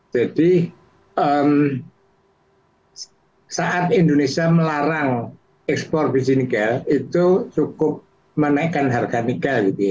jadi saat indonesia melarang ekspor bisnis nikel itu cukup menaikkan harga nikel gitu ya